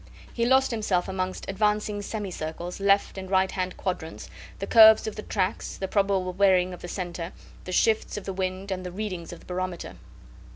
He lost himself amongst advancing semi circles, left and right hand quadrants, the curves of the tracks, the probable bearing of the centre, the shifts of wind and the readings of barometer.